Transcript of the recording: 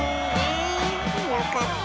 よかった。